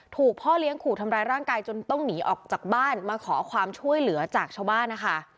พ่อเลี้ยงขู่ทำร้ายร่างกายจนต้องหนีออกจากบ้านมาขอความช่วยเหลือจากชาวบ้านนะคะ